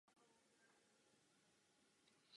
Výsledkem byly represe, došlo ke srážkám, rvačkám apod.